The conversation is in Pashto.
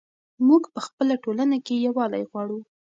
موږ په خپله ټولنه کې یووالی غواړو.